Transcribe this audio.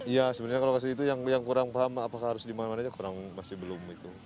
ya sebenarnya kalau kasus itu yang kurang paham apakah harus dimana mana aja masih belum itu